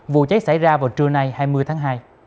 vụ cháy xảy ra vào trưa nay hai mươi tháng hai